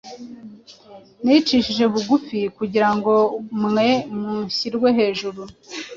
nicishije bugufi kugira ngo mwe mushyirwe hejuru.